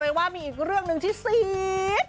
ว่ามีอีกเรื่องหนึ่งที่ซี๊ด